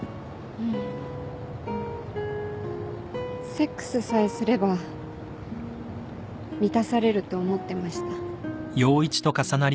セックスさえすれば満たされると思ってました。